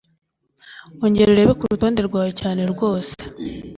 Ongera urebe kurutonde rwawe cyane rwose